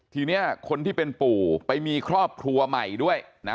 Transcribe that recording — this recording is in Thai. ทีนี้คนที่เป็นปู่ไปมีครอบครัวใหม่ด้วยนะ